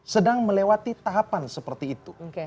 sedang melewati tahapan seperti itu